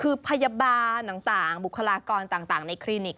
คือพยาบาลต่างบุคลากรต่างในคลินิก